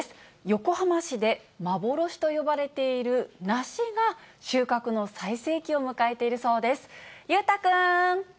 横浜市で幻と呼ばれている梨が収穫の最盛期を迎えているそうです。